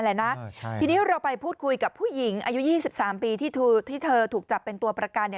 แล้วเรียนรับไปพูดคุยกับผู้หญิงเอายุ๒๓ปีที่ทที่เธอถูกจับเป็นตัวประกัน